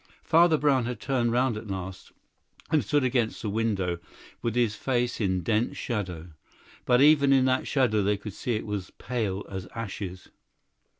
Father Brown had turned round at last, and stood against the window, with his face in dense shadow; but even in that shadow they could see it was pale as ashes.